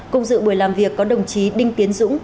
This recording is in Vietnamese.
cùng dự buổi làm việc có đồng chí đinh tiến dũng